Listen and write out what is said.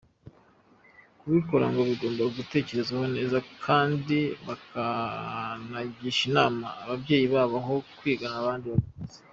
Kubikora ngo bigomba gutekerezwaho neza kandi bakanagisha inama ababyeyi babo aho kwigana abandi babikoze.